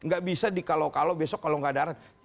gak bisa di kalau kalau besok kalau gak ada arahan